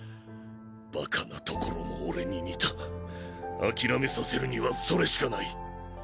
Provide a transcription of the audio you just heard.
バカなところも俺に似た諦めさせるにはそれしかない。